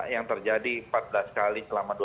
yang terjadi empat belas kali selama